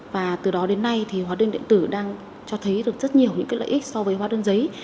và từ đó đến nay hóa đơn điện tử đang cho thấy rất nhiều lợi ích so với hóa đơn giấy